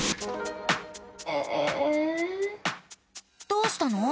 どうしたの？